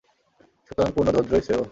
সুতরাং পূর্ণ ধৈর্যই শ্রেয়।